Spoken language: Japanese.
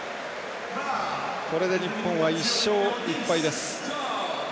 これで日本は１勝１敗です。